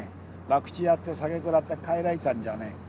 博打やって酒食らって帰られたんじゃね